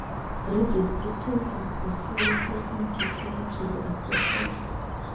Redistricting has to follow certain criteria to be accepted.